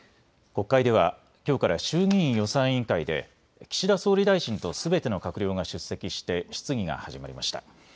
国会ではきょうから衆議院予算委員会で岸田総理大臣とすべての閣僚が出席して質疑が始まりました。